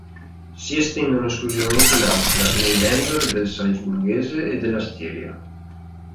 Si estendono esclusivamente in Austria, nei Länder del Salisburghese e della Stiria.